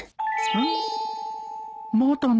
うん？